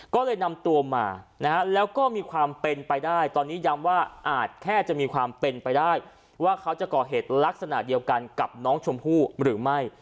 ก็เลยนำตัวมานะฮะแล้วก็มีความเป็นไปได้ตอนนี้ย้ำว่าอาจแค่จะมีความเป็นไปได้ว่าเขาจะก่อเหตุลักษณะเดียวกันกับน้องชมพู่หรือไม่